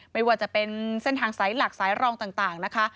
ไม่ว่าจะเป็นเส้นทางสายหลักสายรองต่างนะคะ